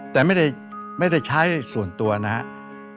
แต่ไม่ได้ใช้ส่วนตัวนะครับ